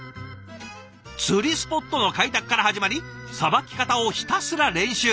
釣りスポットの開拓から始まりさばき方をひたすら練習。